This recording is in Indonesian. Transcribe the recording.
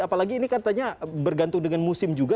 apalagi ini kan tanya bergantung dengan musim juga